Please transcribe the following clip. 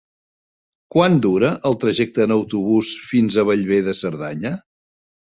Quant dura el trajecte en autobús fins a Bellver de Cerdanya?